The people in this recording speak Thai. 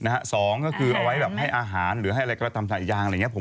๒ก็คือเอาไว้ให้อาหารหรือให้อะไรก็ตามถ่ายยางอะไรอย่างนี้